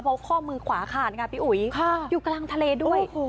เพราะข้อมือขวาขาดค่ะพี่อุ๋ยอยู่กลางทะเลด้วย